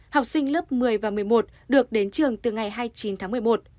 học sinh lớp một mươi và một mươi một được đến trường từ ngày hai mươi chín tháng một mươi một